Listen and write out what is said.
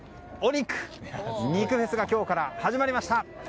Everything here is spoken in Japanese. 肉フェスが今日から始まりました。